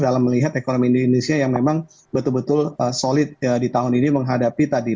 dalam melihat ekonomi indonesia yang memang betul betul solid di tahun ini menghadapi tadi